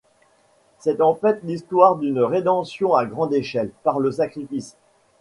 C'est en fait l'histoire d'une rédemption à grande échelle, par le sacrifice.